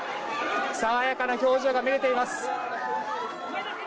爽やかな表情が見れています。